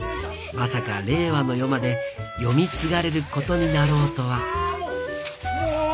まさか令和の世まで読み継がれることになろうとはあもう！